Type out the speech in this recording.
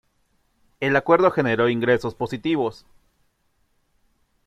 El acuerdo generó ingresos positivos.